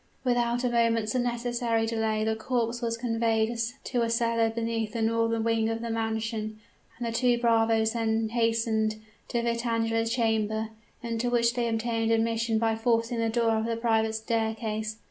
Without a moment's unnecessary delay the corpse was conveyed to a cellar beneath the northern wing of the mansion: and the two bravoes then hastened, to Vitangela's chamber, into which they obtained admission by forcing the door of the private staircase.